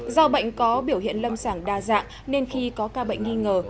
do bệnh có biểu hiện lâm sàng đa dạng nên khi có ca bệnh nghi ngờ